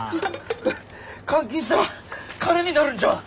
換金したら金になるんちゃう？